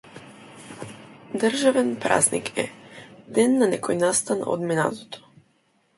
Државен празник е, ден на некој настан од минатото.